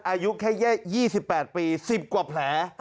อายุแค่๒๘ปี๑๐กว่าแผล